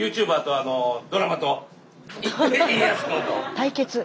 対決。